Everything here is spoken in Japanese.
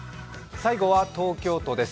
最後は東京都です。